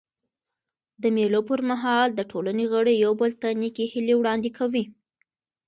د مېلو پر مهال د ټولني غړي یو بل ته نېکي هیلي وړاندي کوي.